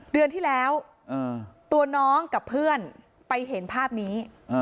เดือนที่แล้วตัวน้องกับเพื่อนไปเห็นภาพนี้